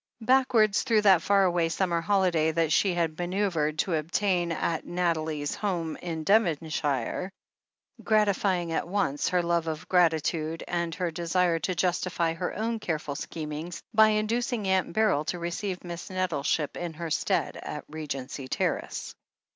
Backwards, through that far away summer holiday that she had manoeuvred to obtain at Nathalie's home in Devonshire, gratifying at once her love of gratitude and her desire to justify her own careful schemings by inducing Aunt Beryl to receive Miss Nettleship in her stead at Regency Terrace.